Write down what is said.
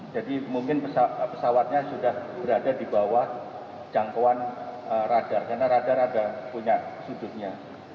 jadi mungkin pesawatnya sudah berada di bawah jangkauan radar karena radar ada punya sudutnya